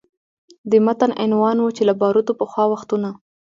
د متن عنوان و چې له باروتو پخوا وختونه